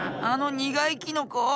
あのにがいキノコ？